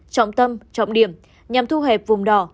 trọng tâm trọng điểm nhằm thu hẹp vùng đỏ